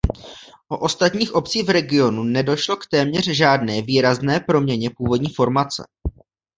O ostatních obcí v regionu nedošlo k téměř žádné výrazné proměně původní formace.